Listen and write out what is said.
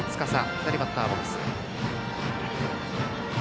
左バッターボックス。